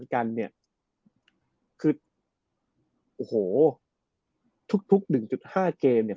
กันเนี่ยคือโอ้โหทุกทุกหนึ่งจุดห้าเกมเนี่ย